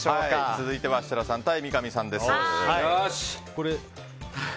続いては設楽さん対三上さんです。